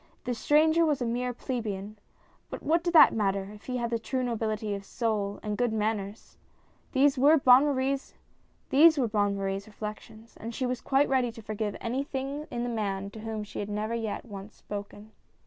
The stranger Avas a mere plebeian, but what did that matter if he had true nobility of soul, and good manners ? These were Bonne Marie's reflections, and she was HE comes! 115 quite ready to forgive any thing in the man to whom she had never yet once spoken.